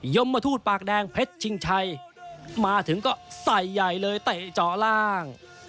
มทูตปากแดงเพชรชิงชัยมาถึงก็ใส่ใหญ่เลยเตะเจาะล่าง